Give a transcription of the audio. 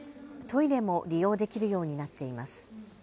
トイレも利用できるようになっています。